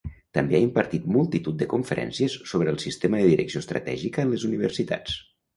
També ha impartit multitud de conferències sobre el sistema de direcció estratègica en les universitats.